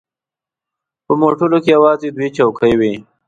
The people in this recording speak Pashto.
په موټر کې یوازې دوې چوکۍ وې.